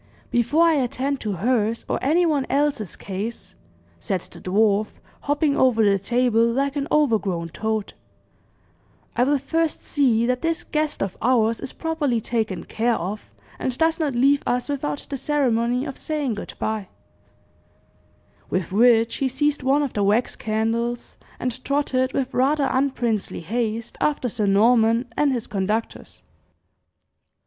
"Before I attend to hers or any one else's case," said the dwarf, hopping over the table like an overgrown toad, "I will first see that this guest of ours is properly taken care, of, and does not leave us without the ceremony of saying good bye." With which, he seized one of the wax candles, and trotted, with rather unprincely haste, after Sir Norman and his conductors.